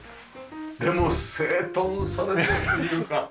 でも整頓されてっていうか。